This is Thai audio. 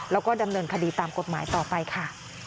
แล้วก็ดำเนินคดีตามกฎหมายต่อไปค่ะ